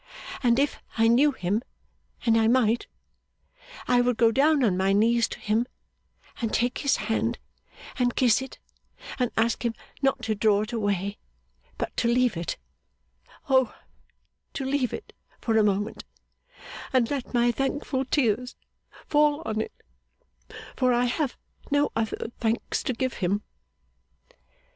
And if I knew him, and I might, I would go down on my knees to him, and take his hand and kiss it and ask him not to draw it away, but to leave it O to leave it for a moment and let my thankful tears fall on it; for I have no other thanks to give him!